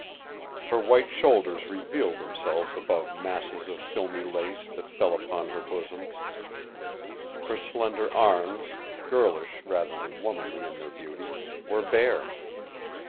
Her white shoulders revealed themselves above masses of filmy lace that fell upon her bosom; her slender arms, girlish rather than womanly in their beauty, were bare.